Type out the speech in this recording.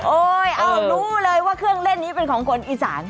รู้เลยว่าเครื่องเล่นนี้เป็นของคนอีสาน